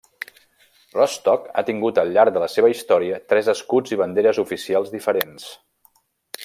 Rostock ha tingut al llarg de la seva història tres escuts i banderes oficials diferents.